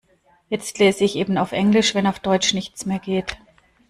Jetzt lese ich eben auf Englisch, wenn auf Deutsch nichts mehr geht.